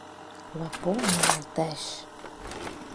La por m'abalteix.